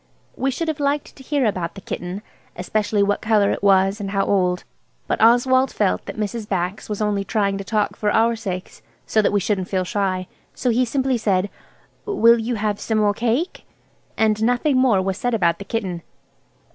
We should have liked to hear about that kitten–especially what colour it was and how old–but Oswald felt that Mrs. Bax was only trying to talk for our sakes, so that we shouldn't feel shy, so he simply said, "Will you have some more cake?" and nothing more was said about the kitten.